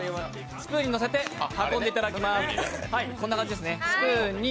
スプーンにのせて運んでいただきます。